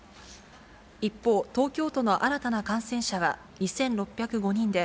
一方、東京都の新たな感染者は２６０５人で、